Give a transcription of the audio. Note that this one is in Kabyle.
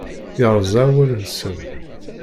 Yerẓa awal-nsen.